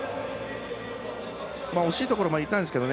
惜しいところまでいったんですけどね。